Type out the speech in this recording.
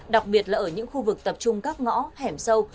đặc biệt là ở những khu vực tập trung các ngõ hẻm sâu